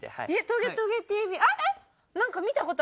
『トゲトゲＴＶ』。